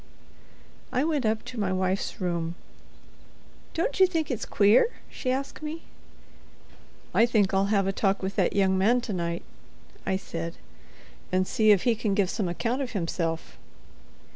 I went up to my wife's room. "Don't you think it's queer?" she asked me. "I think I'll have a talk with that young man to night," I said, "and see if he can give some account of himself."